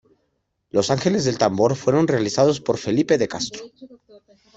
Los ángeles del tambor fueron realizados por Felipe de Castro.